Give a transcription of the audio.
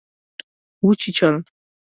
وچیچل